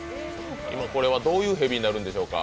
こちらはどういう蛇になるんでしょうか？